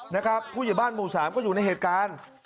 นะครับผู้ใหญ่บ้านหมู่สามก็อยู่ในเหตุการณ์